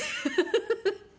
フフフフ。